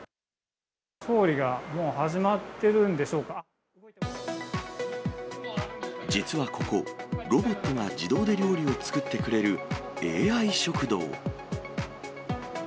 調理がもう始まってるんでしょう実はここ、ロボットが自動で料理を作ってくれる、ＡＩ食堂。